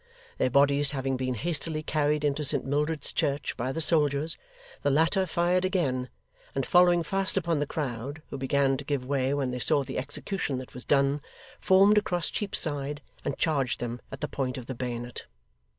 Their bodies having been hastily carried into St Mildred's Church by the soldiers, the latter fired again, and following fast upon the crowd, who began to give way when they saw the execution that was done, formed across Cheapside, and charged them at the point of the bayonet.